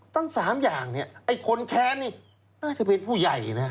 ตั้ง๓อย่างเนี่ยไอ้คนแค้นนี่น่าจะเป็นผู้ใหญ่นะ